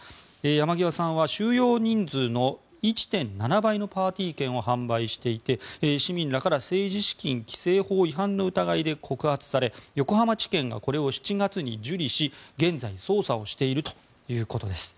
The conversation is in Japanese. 山際さんは収容人数の１．７倍のパーティー券を販売していて市民らから政治資金規正法違反の疑いで告発され横浜地検がこれを７月に受理し現在捜査をしているということです。